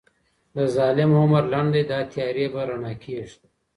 د ظالم عمر لنډی دی دا تیارې به رڼا کیږي